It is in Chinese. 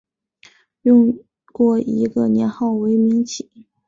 用过一个年号为明启。